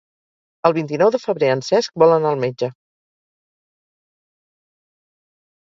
El vint-i-nou de febrer en Cesc vol anar al metge.